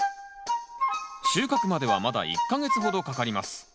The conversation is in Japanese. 収穫まではまだ１か月ほどかかります。